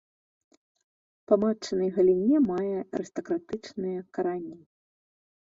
Па матчынай галіне мае арыстакратычныя карані.